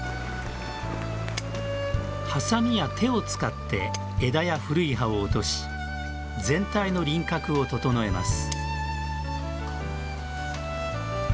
はさみや手を使って枝や古い葉を落とし全体の輪郭を整えます。